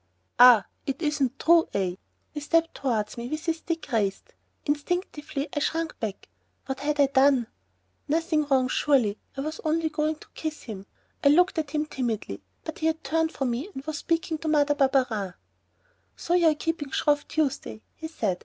"Ah, it isn't true, eh?" He stepped towards me with his stick raised; instinctively I shrunk back. What had I done? Nothing wrong, surely! I was only going to kiss him. I looked at him timidly, but he had turned from me and was speaking to Mother Barberin. "So you're keeping Shrove Tuesday," he said.